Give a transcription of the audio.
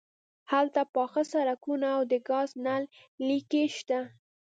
هلته پاخه سړکونه او د ګاز نل لیکې شته